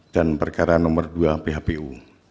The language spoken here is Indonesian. dan perkara nomor dua phpu